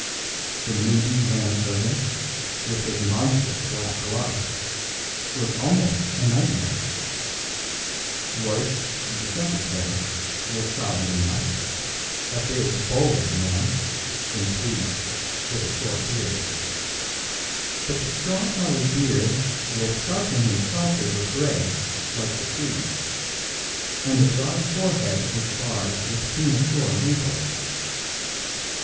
The moody man servant, with his monstrous black gloves, was almost a nightmare; Royce, the secretary, was solid enough, a big bull of a man, in tweeds, with a short beard; but the straw coloured beard was startlingly salted with grey like the tweeds, and the broad forehead was barred with premature wrinkles.